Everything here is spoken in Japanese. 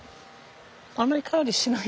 あんまり香りしない。